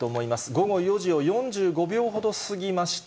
午後４時を４５秒ほど過ぎました。